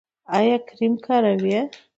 ایا کریم کاروئ؟